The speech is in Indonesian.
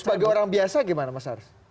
sebagai orang biasa gimana mas ars